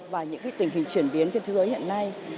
và những tình hình chuyển biến trên thế giới hiện nay